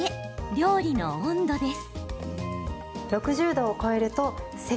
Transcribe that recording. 料理の温度です。